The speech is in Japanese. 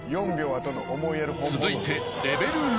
［続いて］